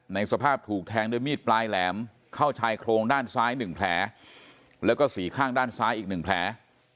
สภาพถูกแทงด้วยมีดปลายแหลมเข้าชายโครงด้านซ้าย๑แผลแล้วก็สี่ข้างด้านซ้ายอีก๑แผล